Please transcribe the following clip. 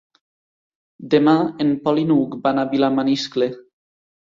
Demà en Pol i n'Hug van a Vilamaniscle.